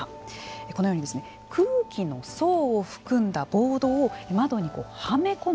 このように空気の層を含んだボードを窓にはめ込む